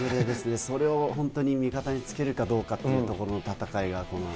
それを本当に味方につけるかどうかっていうところの戦いが。